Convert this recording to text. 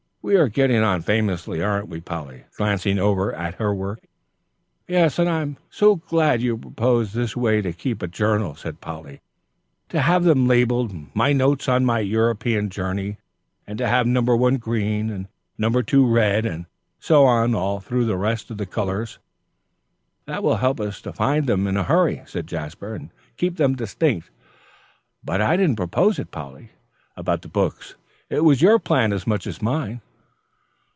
"We are getting on famously, aren't we, Polly?" glancing over at her work. "Yes, and I'm so glad you proposed this way to keep a journal," said Polly, "to have them labelled 'My Notes on My European Journey,' and to have No. 1 green, and No. 2 red, and so on all through the rest of the colours." "That will help us to find them in a hurry," said Jasper, "and keep them distinct; but I didn't propose it, Polly, about the books. It was your plan as much as mine."